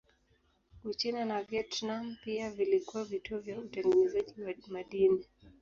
Uchina na Vietnam pia vilikuwa vituo vya utengenezaji wa madini.